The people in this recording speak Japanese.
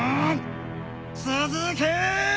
続け‼